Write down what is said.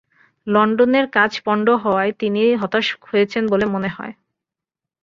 লণ্ডনের কাজ পণ্ড হওয়ায় তিনি হতাশ হয়েছেন বলে মনে হয়।